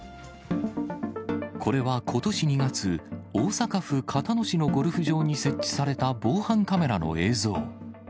これはことし２月、大阪府交野市のゴルフ場に設置された防犯カメラの映像。